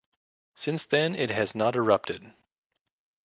Since then it has not erupted.